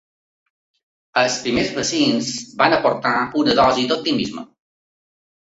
Els primers vaccins van aportar una dosi d’optimisme.